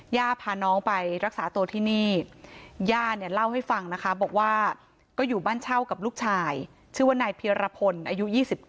พาน้องไปรักษาตัวที่นี่ย่าเนี่ยเล่าให้ฟังนะคะบอกว่าก็อยู่บ้านเช่ากับลูกชายชื่อว่านายเพียรพลอายุ๒๙